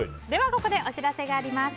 ここでお知らせがあります。